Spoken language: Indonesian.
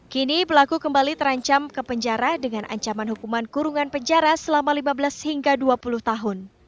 kini pelaku kembali terancam ke penjara dengan ancaman hukuman kurungan penjara selama lima belas hingga dua puluh tahun